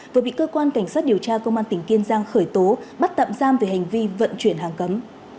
vừa bị cơ quan cảnh sát điều tra công an tỉnh kiên giang khởi tố bắt tạm giam về hành vi vận chuyển hàng cấm